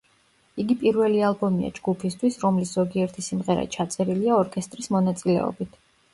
იგი პირველი ალბომია ჯგუფისთვის, რომლის ზოგიერთი სიმღერა ჩაწერილია ორკესტრის მონაწილეობით.